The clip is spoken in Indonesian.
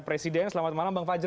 presiden selamat malam bang fajar